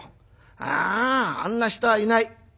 あああんな人はいない。